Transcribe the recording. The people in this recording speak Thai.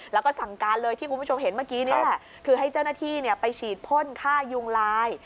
แล้วก็สั่งการเลยที่คุณผู้ชมเห็นเมื่อกี้นี่แหละคือให้เจ้าหน้าที่ไปฉีดพ่นค่ายุงลาย